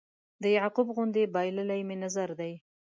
د یعقوب غوندې بایللی مې نظر دی